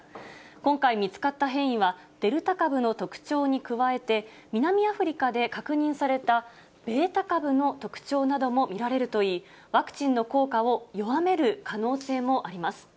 今回見つかった変異は、デルタ株の特徴に加えて、南アフリカで確認されたベータ株の特徴なども見られるといい、ワクチンの効果を弱める可能性もあります。